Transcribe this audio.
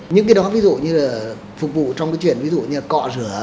những cái đó ví dụ như là phục vụ trong cái chuyện ví dụ như cọ rửa